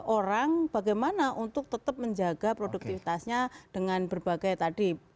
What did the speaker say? orang bagaimana untuk tetap menjaga produktivitasnya dengan berbagai tadi